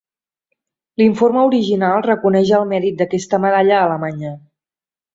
L'informe original reconeix el mèrit d'aquesta medalla a Alemanya.